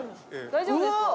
「大丈夫ですか？」